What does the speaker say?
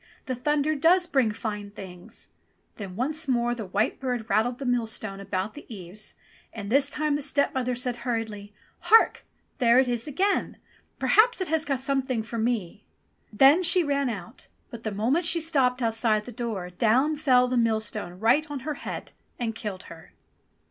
''The thunder does bring fine things !" Then once more the white bird rattled the millstone about the eaves, and this time the stepmother said hurriedly, "Hark ! there it is again! Perhaps it has got something for me!" THE ROSE TREE 363 Then she ran out ; but the moment she stepped outside the door, down fell the millstone right on her head and killed her.